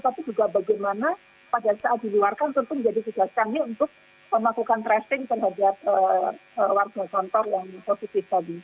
tapi juga bagaimana pada saat diluarkan tentu menjadi tugas kami untuk melakukan tracing terhadap warga kantor yang positif tadi